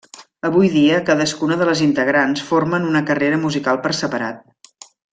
Avui dia, cadascuna de les integrants formen una carrera musical per separat.